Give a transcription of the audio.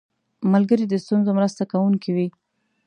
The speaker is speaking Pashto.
ملګری د ستونزو مرسته کوونکی وي